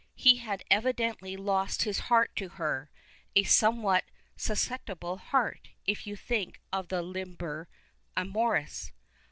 He had evidently lost his heart to her — a somewhat sus ceptible heart, if you think of the " Liber Amoris."